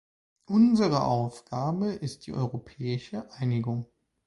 Unsere Aufgabe ist die europäische Einigung.